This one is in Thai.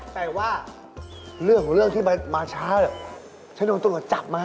ใครว่าเรื่องที่มาช้าเหรอฉันต้องจับมา